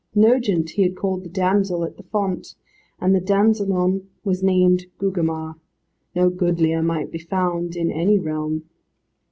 Nogent, he had called the damsel at the font, and the dansellon was named Gugemar no goodlier might be found in any realm.